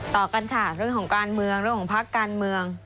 ต่อกันค่ะเรื่องของการเมืองเรื่องของภาคการเมือง